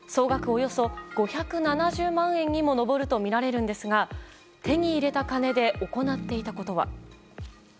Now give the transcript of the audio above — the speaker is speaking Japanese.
およそ５７０万円にも上るとみられるんですが手に入れた金で行っていたことは。